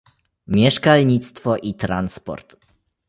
mieszkalnictwo i transport